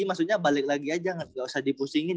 maksudnya balik lagi aja nggak usah dipusingin